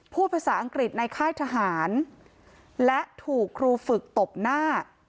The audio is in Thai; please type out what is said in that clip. พูดภาษาอังกฤษในค่ายทหารและถูกครูฝึกตบหน้า